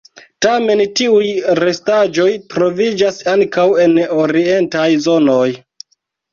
Tamen tiuj restaĵoj troviĝas ankaŭ en orientaj zonoj.